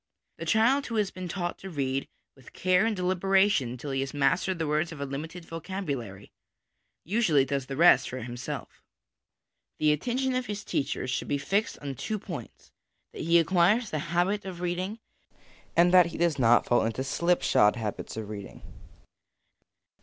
The child who has been taught to read with care and deliberation until he has mastered the words of a limited vocabulary, usually does the rest for himself. The attention of his teachers should be fixed on two points that he acquires the habit of reading, and that he does not fall into slipshod habits of reading.